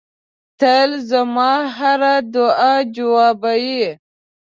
• ته زما د هر دعا جواب یې.